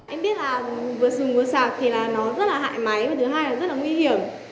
em biết là vừa sùng vừa sạc thì là nó rất là hại máy và thứ hai là rất là nguy hiểm